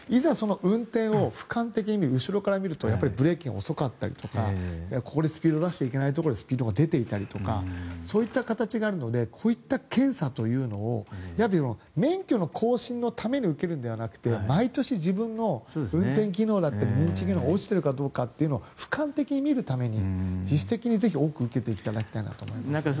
運転を俯瞰的に見る後ろから見るとブレーキが遅かったりとかスピードを出してはいけないところで出していたりとかそういった形があるのでこういった検査というのを免許の更新のために受けるのではなくて毎年、自分の運転技能だったり認知機能が落ちているかどうかを俯瞰的に見るために自主的にぜひ、多く受けていただきたいと思います。